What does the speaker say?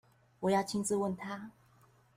我要親自問他